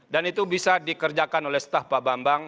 dan itu bisa dikerjakan oleh staf pak bambang